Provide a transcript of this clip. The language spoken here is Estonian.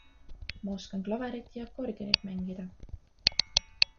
Ma oskan klaverit ja akordionit mängida.